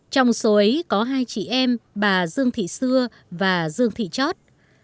trong số ấy có hai chị em bà dương thị xưa và dương thị chót